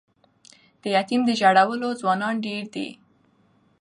د یتیم د ژړولو ځوانان ډیر دي